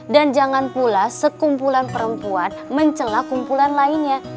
dan jangan pula sekumpulan perempuan mencelah kumpulan lainnya